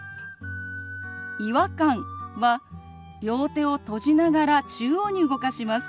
「違和感」は両手を閉じながら中央に動かします。